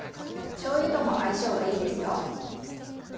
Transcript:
しょうゆとも相性がいいですよ。